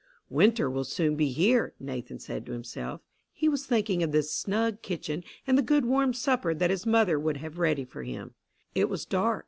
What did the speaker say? "Winter will soon be here," Nathan said to himself. He was thinking of the snug kitchen and the good warm supper that his mother would have ready for him. It was dark.